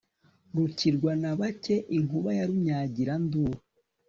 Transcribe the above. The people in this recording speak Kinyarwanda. rukirwa na bake inkuba ya Runyagiranduru